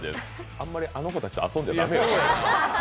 あんまり、あの子たちと遊んじゃ駄目よ。